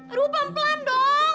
aduh pelan pelan dong